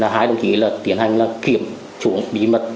hai đồng chí tiến hành kiểm trúng bí mật